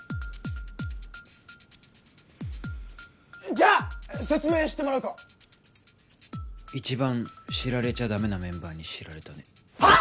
じゃあ説明してもらおうか一番知られちゃダメなメンバーに知られたねはあ？